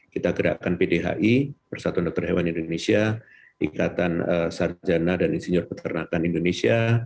kita gerakan pdhi persatuan dokter hewan indonesia ikatan sarjana dan insinyur peternakan indonesia